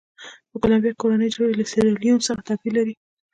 په کولمبیا کې کورنۍ جګړه له سیریلیون څخه توپیر لري.